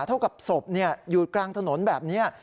เท่ากับศพอยู่กลางถนนแบบนี้